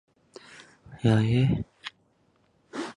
模糊测试工具通常可以被分为两类。